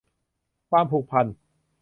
ความผูกพัน